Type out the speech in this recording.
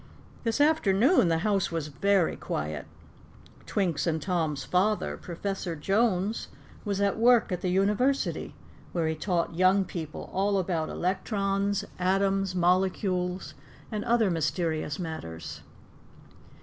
This afternoon the house was very quiet. Twink's and Tom's father, Professor Jones, was at work at the University, where he taught young people all about electrons, atoms, molecules, and other mysterious matters.